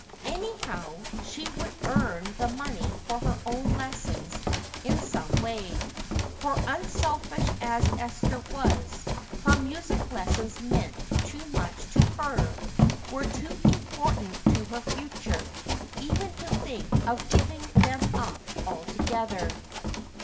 Anyhow she would earn the money for her own lessons in some way, for, unselfish as Esther was, her music lessons meant too much to her, were too important to her future, even to think of giving them up altogether.